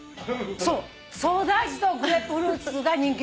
そうソーダ味とグレープフルーツが人気だって。